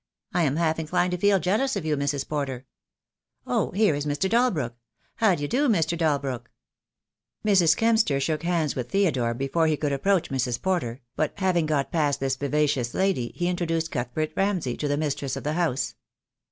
I am half inclined to feel jealous of you, Mrs. Porter. Oh, here is Mr. Dalbrook. How d'ye do, Mr. Dalbrook?" Mrs. Kempster shook hands with Theodore before 120 THE DAY WILL COME. he could approach Mrs. Porter, but having got past this vivacious lady, he introduced Cuthbert Ramsay to the mistress of the house.